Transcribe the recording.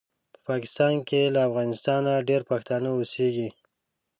په پاکستان کې له افغانستانه ډېر پښتانه اوسیږي